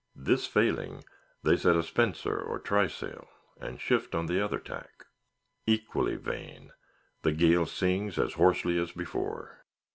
This failing, they set a spencer or trysail, and shift on the other tack. Equally vain! The gale sings as hoarsely as before.